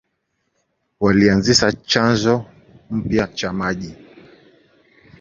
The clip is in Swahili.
Walianzisha chanzo mpya cha maji.